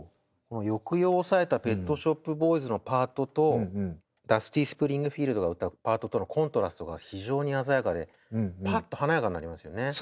抑揚を抑えたペット・ショップ・ボーイズのパートとダスティ・スプリングフィールドが歌うパートとのコントラストが非常に鮮やかでパッと華やかになりますよね。